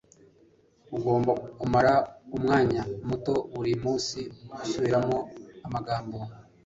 ugomba kumara umwanya muto buri munsi usubiramo amagambo